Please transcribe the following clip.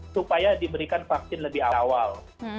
supaya diberikan vaksin lebih awal